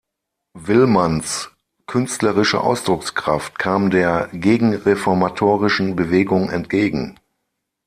Willmanns künstlerische Ausdruckskraft kam der gegenreformatorischen Bewegung entgegen.